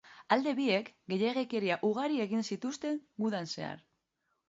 Alde biek gehiegikeria ugari egin zituzten gudan zehar.